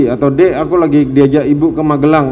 atau d aku lagi diajak ibu ke magelang